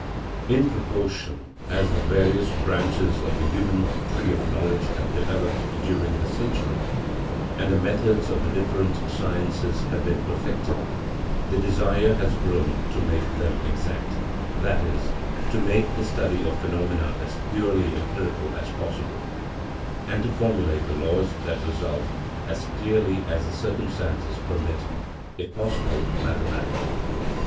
In proportion as the various branches of the human tree of knowledge have developed during the century, and the methods of the different sciences have been perfected, the desire has grown to make them exact ; that is, to make the study of phenomena as purely em pirical as possible, and to formulate the laws that result as clearly as the circumstances permit if possible, mathematically.